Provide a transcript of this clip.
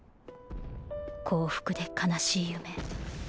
幸福で哀しい夢。